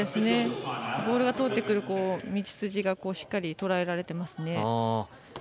ボールが通ってくる道筋がしっかりとらえられていますね。